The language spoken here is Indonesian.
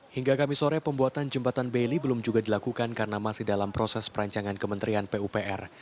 hingga kami sore pembuatan jembatan baili belum juga dilakukan karena masih dalam proses perancangan kementerian pupr